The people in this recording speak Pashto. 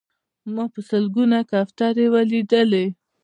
ما په سلګونه کوترې ولیدلې.